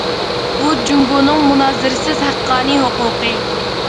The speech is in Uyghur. بۇ جۇڭگونىڭ مۇنازىرىسىز ھەققانىي ھوقۇقى.